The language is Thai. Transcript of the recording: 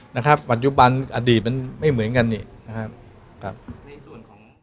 นะครับปัจจุบันอดีตมันไม่เหมือนกันนี่นะครับครับในส่วนของ